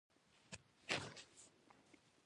آیا د لاسونو مینځل مخکې له ډوډۍ اړین نه دي؟